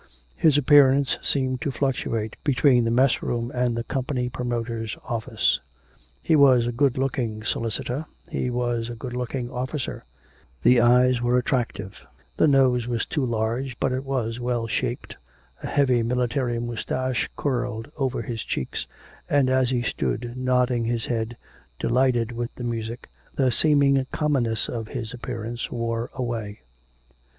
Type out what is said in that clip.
His appearance seemed to fluctuate between the mess room and the company promoter's office. He was a good looking solicitor, he was a good looking officer; the eyes were attractive; the nose was too large, but it was well shaped; a heavy military moustache curled over his cheeks, and, as he stood nodding his head, delighted with the music, the seeming commonness of his appearance wore away.